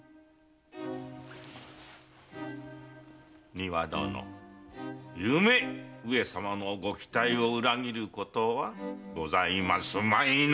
丹羽殿ゆめ上様のご期待を裏切ることはございますまいな